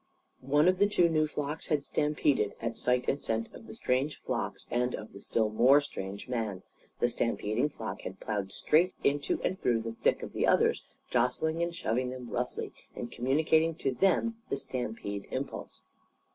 One of the two new flocks had stampeded at sight and scent of the strange flocks, and of the still more strange man. The stampeding flock had ploughed straight into and through the thick of the others, jostling and shoving them roughly, and communicating to them the stampede impulse.